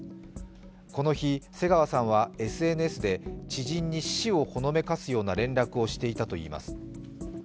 この日、瀬川さんはＳＮＳで知人に死をほのめかすような連絡をしていたといいます。